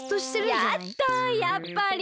やっだやっぱり？